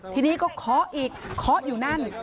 ทีนี้ก็เคาะอีกเคาะอยู่นั่น